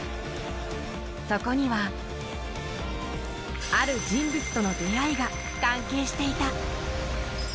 そこには、ある人物との出会いが関係していた。